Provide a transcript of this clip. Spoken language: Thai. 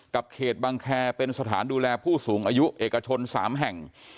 เขตบังแคร์เป็นสถานดูแลผู้สูงอายุเอกชน๓แห่ง